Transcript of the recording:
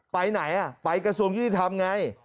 ไปไหนไปกระทรวงยุติธรรมไง